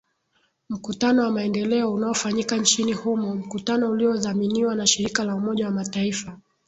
mkutano wa maendeleo unaofanyika nchini humo mkutano uliodhaminiwa na shirika la umoja wa mataifa